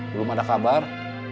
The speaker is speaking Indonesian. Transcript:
belum ada kabar